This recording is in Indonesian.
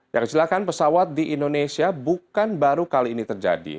yang kecelakaan pesawat di indonesia bukan baru kali ini terjadi